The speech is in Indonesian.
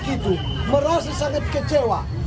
kecewaan gitu merasa sangat kecewa